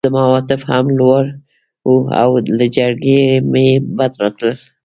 زما عواطف هم لوړ وو او له جګړې مې بد راتلل